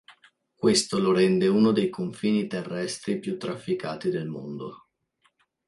Questo lo rende uno dei confini terrestri più trafficati del mondo.